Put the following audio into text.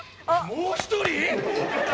もう一人？